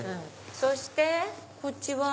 そしてこっちは。